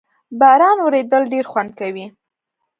باران ورېدل ډېر خوند کوي